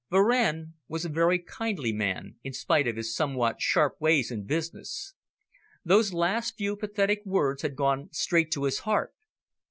Varenne was a very kindly man, in spite of his somewhat sharp ways in business. Those last few pathetic words had gone straight to his heart.